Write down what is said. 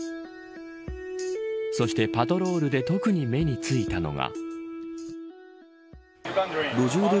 そして、パトロールで特に目についたのが。